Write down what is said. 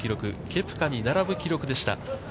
ケプカに並ぶ記録でした。